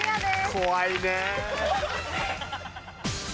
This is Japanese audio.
怖いね。